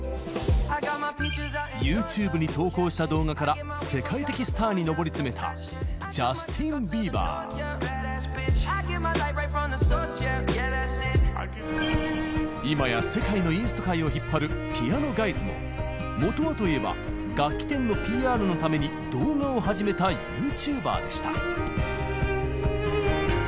ＹｏｕＴｕｂｅに投稿した動画から世界的スターに上り詰めた今や世界のインスト界を引っ張るピアノ・ガイズももとはといえば楽器店のＰＲのために動画を始めたＹｏｕＴｕｂｅｒでした。